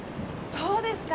そうですか！